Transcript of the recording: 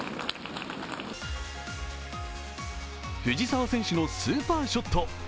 藤澤選手のスーパーショット。